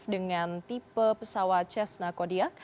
dengan tipe pesawat cessna kodia